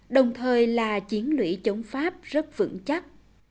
đồng thời là chiến lũy chống pháp rất vững chắc